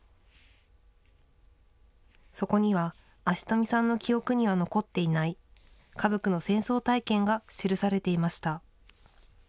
そこには安次富さんの記憶には残っていない、家族の戦争体験が記されていました。